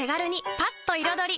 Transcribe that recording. パッと彩り！